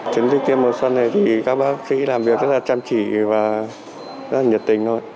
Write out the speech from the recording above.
chiến dịch tiêm mùa xuân này thì các bác sĩ làm việc rất là chăm chỉ và rất là nhiệt tình thôi